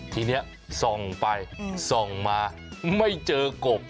ทีนี้ส่องไปส่องมาไม่เจอกบ